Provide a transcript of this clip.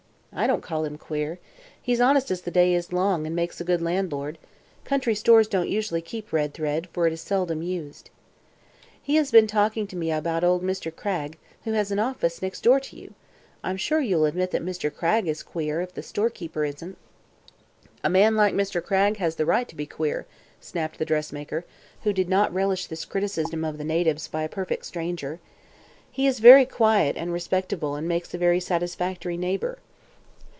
"I don't call him queer. He's honest as the day is long and makes a good landlord. Country stores don't usually keep red thread, for it is seldom used." "He has been talking to me about old Mr. Cragg, who has an office next door to you. I'm sure you'll admit that Mr. Cragg is queer, if the storekeeper isn't." "A man like Mr. Cragg has the right to be queer," snapped the dressmaker, who did not relish this criticism of the natives by a perfect stranger. "He is very quiet and respectable and makes a very satisfactory neighbor."